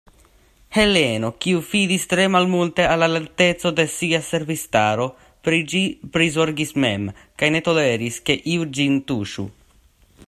Heleno, kiu fidis tre malmulte al la lerteco de sia servistaro, pri ĝi prizorgis mem, kaj ne toleris, ke iu ĝin tuŝu.